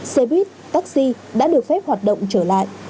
xe buýt taxi đã được phép hoạt động trở lại